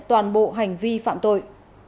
toàn bộ hành vi phạm tội